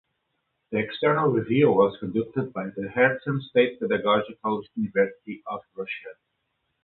The external review was conducted by the Herzen State Pedagogical University of Russia.